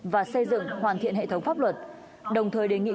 và xây dựng hoàn thiện hệ thống pháp luật đồng thời đề nghị